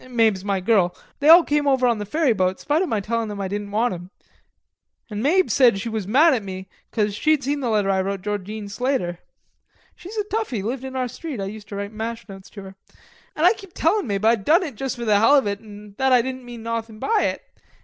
Mabe's my girl... they all came over on the ferry boat, 'spite of my tellin' 'em I didn't want 'em. An' Mabe said she was mad at me, 'cause she'd seen the letter I wrote Georgine Slater. She was a toughie, lived in our street, I used to write mash notes to. An' I kep' tellin' Mabe I'd done it juss for the hell of it, an' that I didn't mean nawthin' by it.